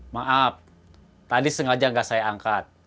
maaf tadi sengaja nggak saya angkat